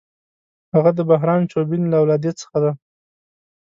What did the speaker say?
هغه د بهرام چوبین له اولادې څخه دی.